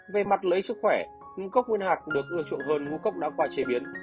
về mặt lấy sức khỏe ngũ cốc nguyên hạt được ưa chuộng hơn ngũ cốc đã qua chế biến